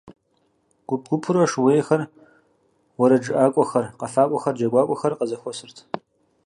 Гуп-гупурэ шууейхэр, уэрэджыӀакӀуэхэр, къэфакӀуэхэр, джэгуакӀуэхэр къызэхуэсырт.